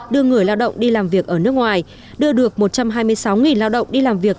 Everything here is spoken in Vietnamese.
đưa người lao động đi làm việc ở nước ngoài đưa được một trăm hai mươi sáu lao động đi làm việc